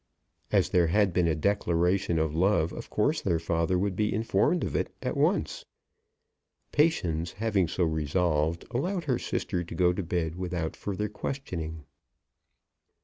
As there had been a declaration of love, of course their father would be informed of it at once. Patience, having so resolved, allowed her sister to go to her bed without further questioning.